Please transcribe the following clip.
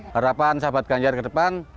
harapan sahabat ganjar ke depan